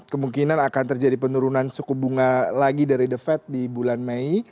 kemungkinan akan terjadi penurunan suku bunga lagi dari the fed di bulan mei